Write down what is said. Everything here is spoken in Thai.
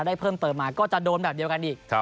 ได้เพิ่มเติมมาก็จะโดนแบบเดียวกันอีก